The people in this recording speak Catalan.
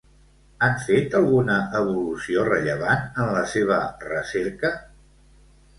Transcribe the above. Han fet alguna evolució rellevant en la seva recerca?